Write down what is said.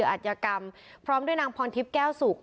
มาเชื่ออาจยกรรมพร้อมด้วยพอนทิศเก้าศุกร์